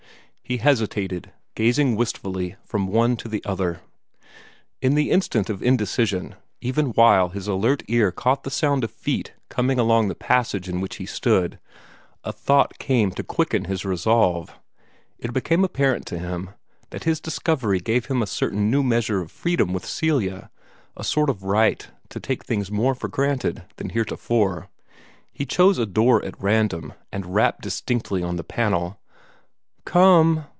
He hesitated, gazing wistfully from one to the other. In the instant of indecision, even while his alert ear caught the sound of feet coming along toward the passage in which he stood, a thought came to quicken his resolve. It became apparent to him that his discovery gave him a certain new measure of freedom with Celia, a sort of right to take things more for granted than heretofore. He chose a door at random, and rapped distinctly on the panel. "Come!"